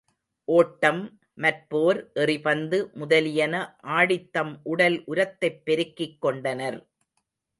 ஓட்டம், மற்போர், எறிபந்து முதலியன ஆடித் தம் உடல் உரத்தைப் பெருக்கிக் கொண்டனர்.